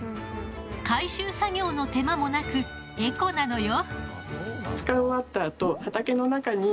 回収作業の手間もなくエコなのよ。